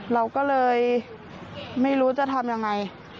เราก็เลยไม่รู้จะทำยังไง